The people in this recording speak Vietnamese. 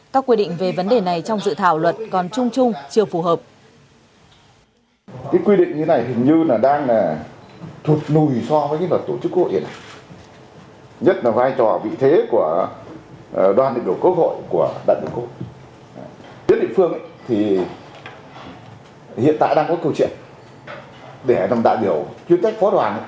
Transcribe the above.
các quy định về vấn đề này trong dự thảo luận còn chung chung chưa phù hợp